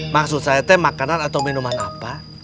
maksud saya teh makanan atau minuman apa